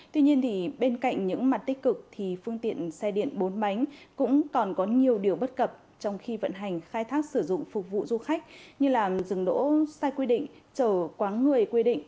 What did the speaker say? tuy nhiên bên cạnh những mặt tích cực thì phương tiện xe điện bốn bánh cũng còn có nhiều điều bất cập trong khi vận hành khai thác sử dụng phục vụ du khách như là dừng đỗ sai quy định chở quá người quy định